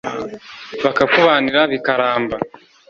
bakakubanira bikaramba